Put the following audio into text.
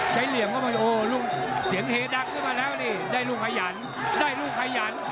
เหลี่ยมเข้าไปโอ้ลูกเสียงเฮดังขึ้นมาแล้วนี่ได้ลูกขยันได้ลูกขยัน